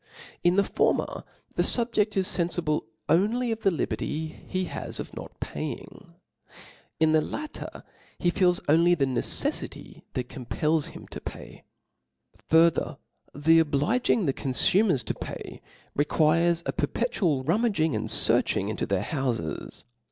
In the former the fubjeA is fenlible only of the liberty he h^s of not paying, in the latter he fipels only the necelfiry that compels him to pay. Farther, the obliging the confumers to pay, re quires a perpetual rummaging and fearching into their houfes.